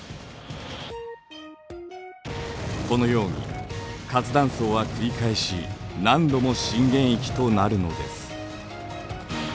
このように活断層は繰り返し何度も震源域となるのです。